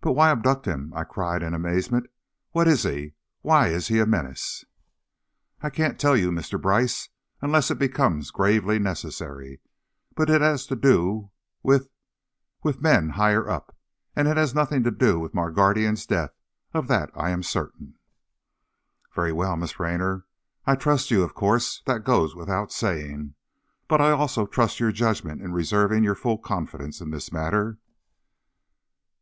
"But why abduct him?" I cried in amazement "What is he? Why is he a menace?" "I can't tell you, Mr. Brice, unless it becomes gravely necessary. But it has to do with with men higher up, and it has nothing to do with my guardian's death, of that I'm certain." "Very well, Miss Raynor; I trust you, of course, that goes without saying, but I also trust your judgment in reserving your full confidence in this matter."